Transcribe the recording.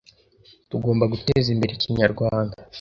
Tugomba guteza imbere ikinyarwanda